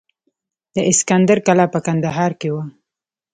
د اسکندر کلا په کندهار کې وه